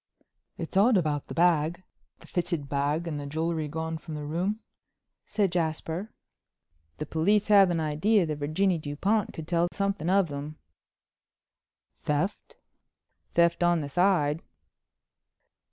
"It's odd about the bag—the fitted bag and the jewelry gone from the room," said Jasper. "The police have an idea that Virginie Dupont could tell something of them." "Theft?" "Theft on the side."